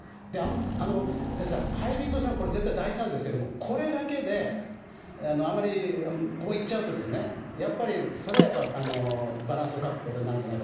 ですから、ハイブリッド戦は大事なんですがこれだけであまりこう、行っちゃうとやっぱり、それはバランスを欠くことになると。